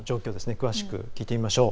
詳しく聞いてみましょう。